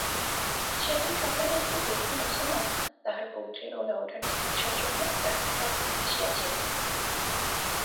সেদিন সকালে একটি বৃদ্ধ মুসলমান তাহার পৌত্রীর ওলাউঠার চিকিৎসার জন্য তাঁহাকে ডাকিতে আসিয়াছিল।